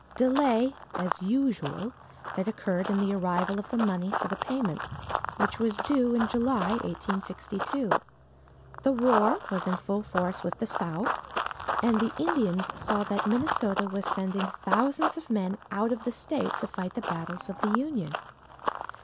Delay, as usual, had occurred in the arrival of the money for the payment, which was due in July, 1862. The war was in full force with the South, and the Indians saw that Minnesota was sending thousands of men out of the state to fight the battles of the Union.